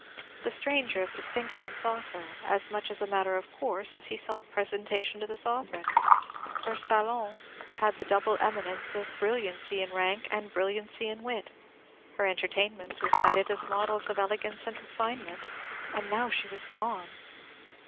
The stranger of distinction sought her, as much as a matter of course as he sought presentation to the sovereign. Her salons had the double eminence of brilliancy in rank and brilliancy in wit; her entertainments were cited as models of elegance and refinement; and now she was gone!